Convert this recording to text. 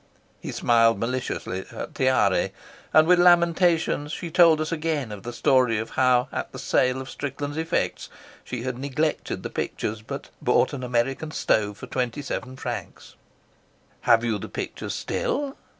He smiled maliciously at Tiare, and with lamentations she told us again the story of how at the sale of Strickland's effects she had neglected the pictures, but bought an American stove for twenty seven francs. "Have you the pictures still?"